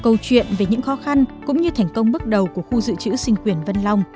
câu chuyện về những khó khăn cũng như thành công bước đầu của khu dự trữ sinh quyền vân long